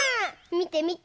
みてみて。